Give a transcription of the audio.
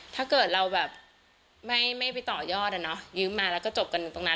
ถ้าเกิดเราไม่ไปต่อยอดยืมมาแล้วก็จบกันตรงนั้น